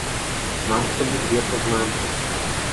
Mám k tomu dvě poznámky.